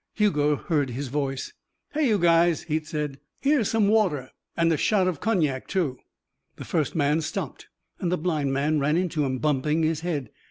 Hugo heard his voice. "Hey, you guys," it said. "Here's some water. And a shot of cognac, too." The first man stopped and the blind man ran into him, bumping his head.